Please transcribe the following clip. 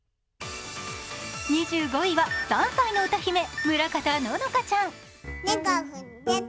２５位は３歳の歌姫、村方乃々佳ちゃん。